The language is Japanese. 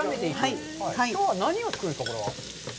きょうは何を作るんですか。